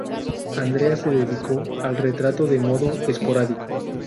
Andrea se dedicó al retrato de modo esporádico.